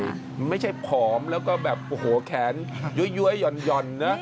มันไม่ใช่ผอมแล้วก็แบบแขนย้วยหย่อนนะ